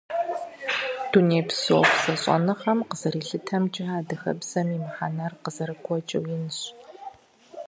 Дунейпсо бзэщӀэныгъэм къызэрилъытэмкӀэ, адыгэбзэм и мыхьэнэр къызэрымыкӀуэу инщ.